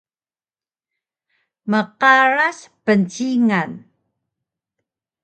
Mqaras pncingan